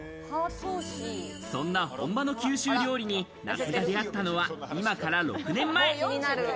そんな本場の九州料理に那須が出会ったのは、今から６年前。